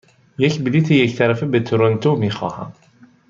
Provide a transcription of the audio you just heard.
یک بلیط یک طرفه به تورنتو می خواهم.